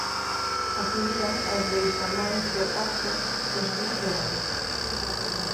Acudían aos beixamáns do pazo os días de gala.